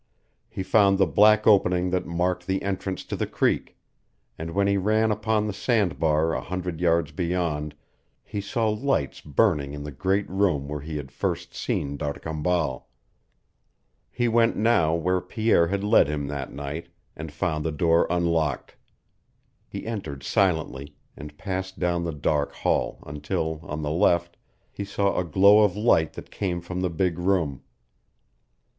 He found the black opening that marked the entrance to the creek, and when he ran upon the sand bar a hundred yards beyond he saw lights burning in the great room where he had first seen D'Arcambal. He went now where Pierre had led him that night, and found the door unlocked. He entered silently, and passed down the dark hall until, on the left, he saw a glow of light that came from the big room.